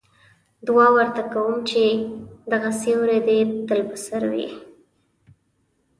دعا ورته کوم چې دغه سیوری دې تل په سر وي.